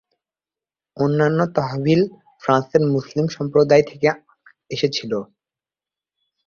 অন্যান্য তহবিল ফ্রান্সের মুসলিম সম্প্রদায় থেকে এসেছিলো।